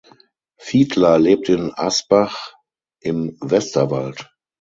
Fiedler lebt in Asbach im Westerwald.